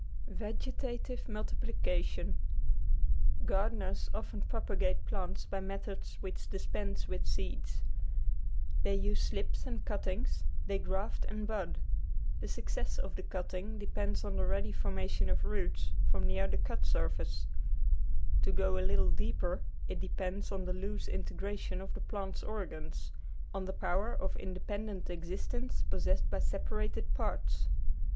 Vegetative Multiplication Gardeners often propagate plants by methods which dis pense with seeds. They use slips and cuttings, they graft and bud. The success of the cutting depends on the ready formation of roots from near the cut surface; to go a little deeper, it depends on the loose integration of the plant's organs, on the power of independent existence possessed by separated parts.